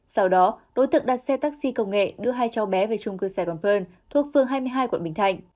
sau đó đối tượng đặt xe taxi công nghệ đưa hai cháu bé về trung cư sài gòn phơn thuộc phương hai mươi hai quận bình thạnh